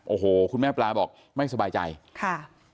โอ้โหคุณแม่ปลาบอกไม่สบายใจค่ะ